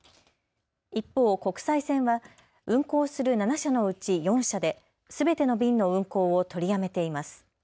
一方、国際線は運航する７社のうち４社ですべての便の運航を取りやめています。